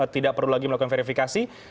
tidak perlu lagi melakukan verifikasi